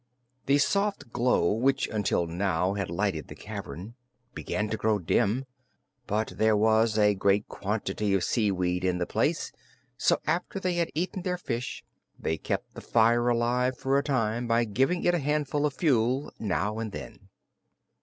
The soft glow which until now had lighted the cavern, began to grow dim, but there was a great quantity of seaweed in the place, so after they had eaten their fish they kept the fire alive for a time by giving it a handful of fuel now and then.